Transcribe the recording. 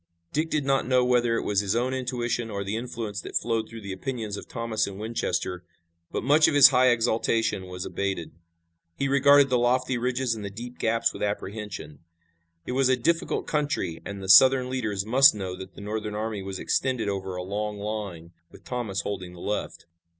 Dick did not know whether it was his own intuition or the influence that flowed from the opinions of Thomas and Winchester, but much of his high exultation was abated. He regarded the lofty ridges and the deep gaps with apprehension. It was a difficult country and the Southern leaders must know that the Northern army was extended over a long line, with Thomas holding the left.